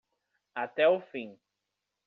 Até o fim